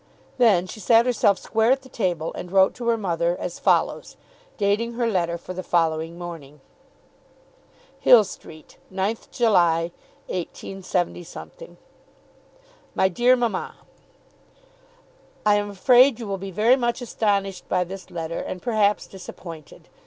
Then she sat herself square at the table, and wrote to her mother, as follows, dating her letter for the following morning: Hill Street, 9th July, 187 . MY DEAR MAMMA, I am afraid you will be very much astonished by this letter, and perhaps disappointed.